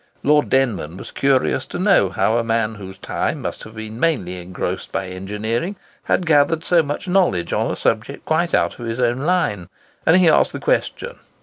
Lord Denman was curious to know how a man whose time must have been mainly engrossed by engineering, had gathered so much knowledge on a subject quite out of his own line, and he asked the question.